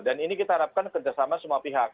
dan ini kita harapkan kerjasama semua pihak